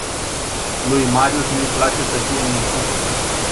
Lui marius nu-i place să fie mințit.